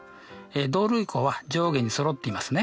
同類項は上下にそろっていますね。